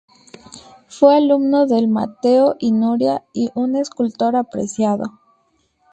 Fue alumno de Mateo Inurria, y un escultor apreciado.